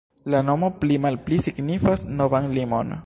La nomo pli-malpli signifas "novan limon".